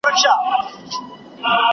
او د خیالونو پر وزر تر بل جهانه تللو